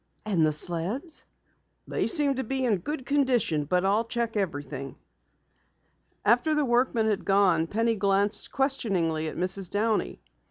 "And the sleds?" "They seem to be in good condition, but I'll check everything." After the workman had gone, Penny glanced questioningly at Mrs. Downey.